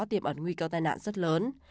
tiệm ẩn nguy cơ tai nạn rất lớn